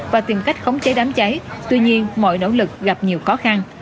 và tìm cách khống chế đám cháy tuy nhiên mọi nỗ lực gặp nhiều khó khăn